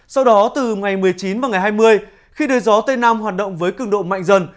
sau đó từ ngày một mươi chín và ngày hai mươi khi đời gió tây nam hoạt động với cường độ mạnh dần